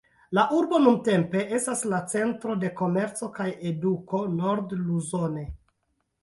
La urbo nuntempe estas la centro de komerco kaj eduko nord-Luzone.